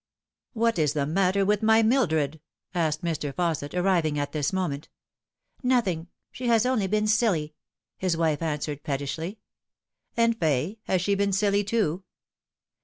" What is the matter with my Mildred ?" asked Mr. Fausset, arriving at this moment. "Nothing. She has only been silly," his wife answered pettishly. " And Fay has she been silly, too